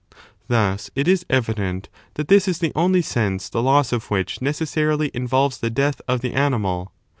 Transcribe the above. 13 Thus it is evident that this is the only sense the loss of which 2 necessarily involves the death of the animal.